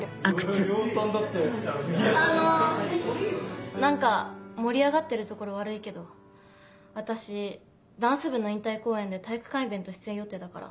・量産だって・あの何か盛り上がってるところ悪いけど私ダンス部の引退公演で体育館イベント出演予定だから。